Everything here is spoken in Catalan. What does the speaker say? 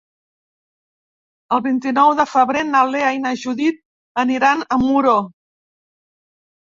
El vint-i-nou de febrer na Lea i na Judit aniran a Muro.